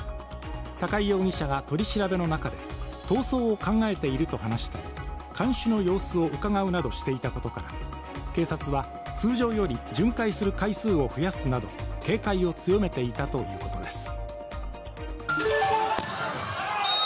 高井容疑者が取り調べの中で、逃走を考えていると話したり看守の様子をうかがうなどしていたことから警察は通常より巡回する回数を増やすなど警戒を強めていたということです。